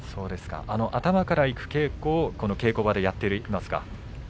頭からいく稽古を稽古場でやっていますか？